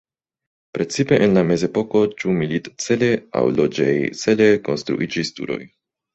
Precipe en la mezepoko ĉu milit-cele aŭ loĝej-cele konstruiĝis turoj.